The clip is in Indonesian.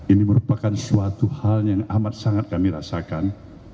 ini merupakan suatu hal yang amat sangat kami rasakan